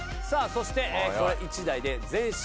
そしてこれ１台で速い全身